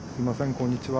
こんにちは。